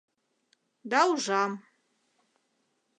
Да ужам: